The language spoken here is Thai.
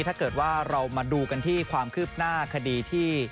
ถ้าเกิดว่าเรามาดูกันที่ความคืบหน้าคดีที่